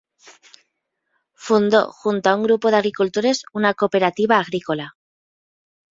Fundó, junto a un grupo de agricultores, una cooperativa agrícola.